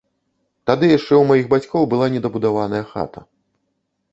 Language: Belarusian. Тады яшчэ ў маіх бацькоў была не дабудаваная хата.